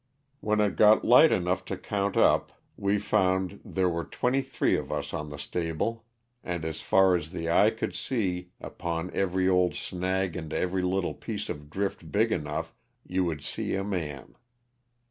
When it got light enough to count up we 9 66 LOSS OF THE SULTAKA. found there were twenty three of us on the stable, and as far as the eye could see, upon every old snag and every little piece of drift big enough, you would see a man.